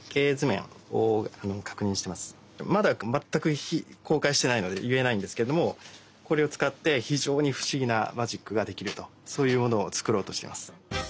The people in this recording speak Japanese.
まだ全く公開してないので言えないんですけれどもこれを使って非常に不思議なマジックができるとそういうものを作ろうとしています。